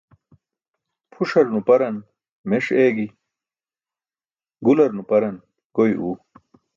Pʰuṣar nuparan meṣ eegi, gular nuparan goy uu.